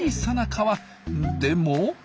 でも。